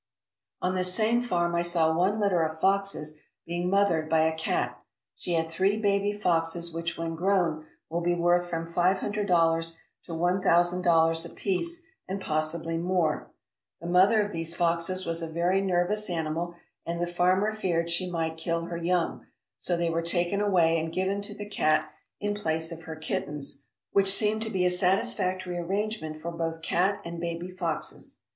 On this same farm I saw one litter of foxes being mothered by a cat. She had three baby foxes which when grown will be worth from five hundred dollars to one thousand dollars apiece, and possibly more. The mother of these foxes was a very nervous animal and the farmer feared she might kill her young, so they were taken away and given to the cat in place of her kittens, which 237 ALASKA OUR NORTHERN WONDERLAND seemed to be a satisfactory arrangement for both cat and baby foxes.